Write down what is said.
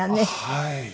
はい。